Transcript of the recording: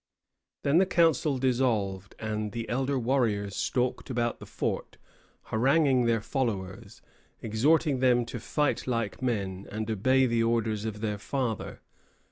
Then the council dissolved, and the elder warriors stalked about the fort, haranguing their followers, exhorting them to fight like men and obey the orders of their father.